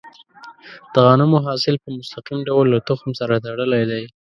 د غنمو حاصل په مستقیم ډول له تخم سره تړلی دی.